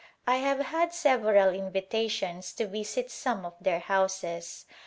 I have had several invitations to visit some of their houses.